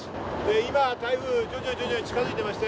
今、台風が徐々に近づいていまして。